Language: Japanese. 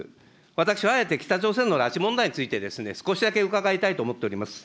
私はあえて北朝鮮の拉致問題についてですね、少しだけ伺いたいと思っております。